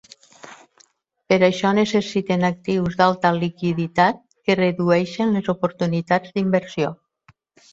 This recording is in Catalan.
Per això necessiten actius d'alta liquiditat que redueixen les oportunitats d'inversió.